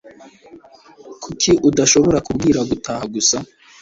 Kuki udashobora kubwira gutaha gusa?